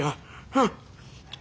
うん。